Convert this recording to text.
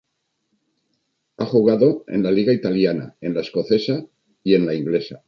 Ha jugado en la liga italiana, en la escocesa y en la inglesa.